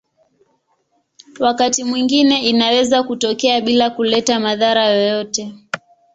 Wakati mwingine inaweza kutokea bila kuleta madhara yoyote.